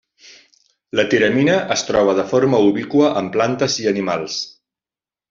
La tiramina es troba de forma ubiqua en plantes i animals.